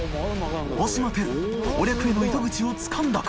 秣臈腓討攻略への糸口をつかんだか？